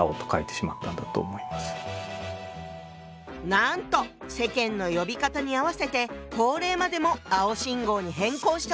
なんと世間の呼び方に合わせて法令までも「青信号」に変更したそうよ。